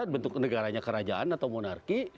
bentuk negaranya kerajaan atau monarki